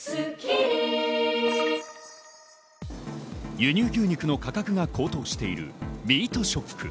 輸入牛肉の価格が高騰しているミートショック。